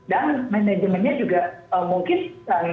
dan manajemennya juga mungkin